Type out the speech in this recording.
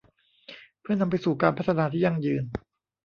เพื่อนำไปสู่การพัฒนาที่ยั่งยืน